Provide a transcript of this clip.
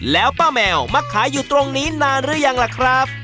แล้วป้าแมวมาขายอยู่ตรงนี้นานหรือยังล่ะครับ